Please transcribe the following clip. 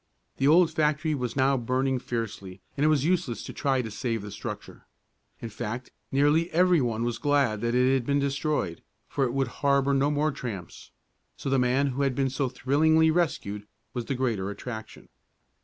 The old factory was now burning fiercely and it was useless to try to save the structure. In fact, nearly everyone was glad that it had been destroyed, for it would harbor no more tramps. So the man who had been so thrillingly rescued was the greater attraction.